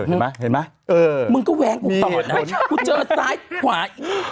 เออเห็นมะมึงก็แว๊งกูตอนนั้นคุณเจอซ้ายขวาอีกนึงที